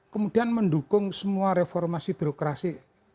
kemudian mendukung semua reformasi birokrasi